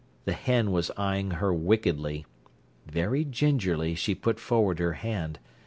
The hen was eyeing her wickedly. Very gingerly she put forward her hand.